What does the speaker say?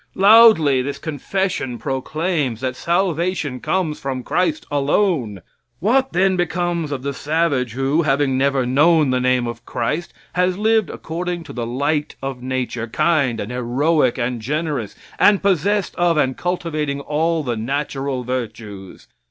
Loudly this confession proclaims that salvation comes from Christ alone. What, then, becomes of the savage who, having never known the name of Christ, has lived according to the light of nature, kind and heroic and generous, and possessed of and cultivating all the natural virtues?